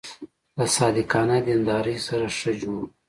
له صادقانه دیندارۍ سره ښه جوړ و.